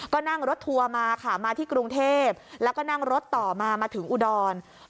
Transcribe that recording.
ก็นั่งรถทัวร์มาค่ะมาที่กรุงเทพแล้วก็นั่งรถต่อมามาถึงอุดร